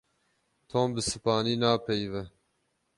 Tom bi Spanî napeyive.